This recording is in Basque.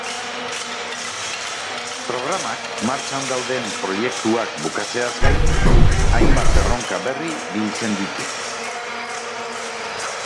Programak, martxan dauden proiektuak bukatzeaz gain, hainbat erronka berri biltzen ditu.